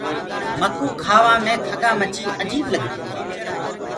مڪوُ کآوآ مي کڳآ مڇي اجيب لگري۔